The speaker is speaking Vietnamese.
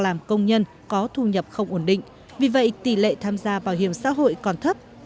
làm công nhân có thu nhập không ổn định vì vậy tỷ lệ tham gia bảo hiểm xã hội còn thấp